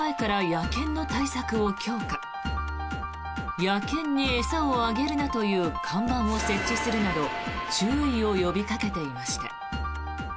野犬に餌をあげるなという看板を設置するなど注意を呼びかけていました。